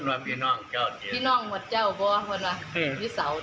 ที่นาม้วาเจ้าบ่มัฤแลมีเสาร์